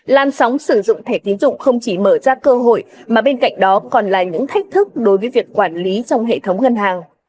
lan sóng sử dụng thẻ tiến dụng không chỉ mở ra cơ hội mà bên cạnh đó còn là những thách thức đối với việc quản lý trong hệ thống ngân hàng